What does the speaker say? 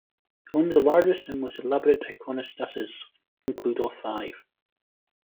Only the largest and most elaborate iconostases include all five.